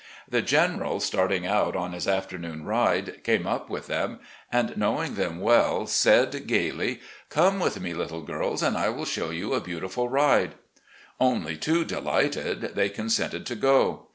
The General, THE NEW HOME IN LEXINGTON 373 starting out on his afternoon ride, came up with them, and knowing them well, said gaily: "Come with me, little girls, and I will show you a beautiful ride." Only too delighted, they consented to go.